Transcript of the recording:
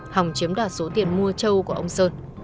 hòng chiếm đoạt số tiền mua châu của ông sơn